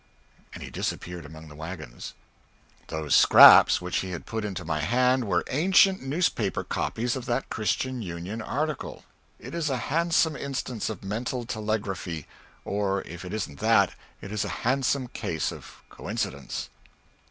and he disappeared among the wagons. Those scraps which he had put into my hand were ancient newspaper copies of that "Christian Union" article! It is a handsome instance of mental telegraphy or if it isn't that, it is a handsome case of coincidence.